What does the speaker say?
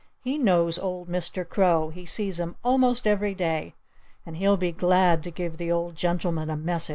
"He knows old Mr. Crow. He sees him almost every day. And he'll be glad to give the old gentleman a message."